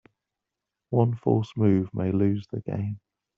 One false move may lose the game.